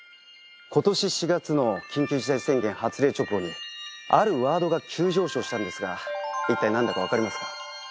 今年４月の緊急事態宣言発令直後にあるワードが急上昇したんですがいったいなんだかわかりますか？